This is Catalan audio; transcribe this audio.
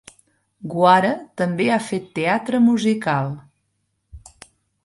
Guare també ha fet teatre musical.